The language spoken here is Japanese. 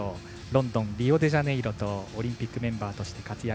ロンドン、リオデジャネイロとオリンピックメンバーとして活躍。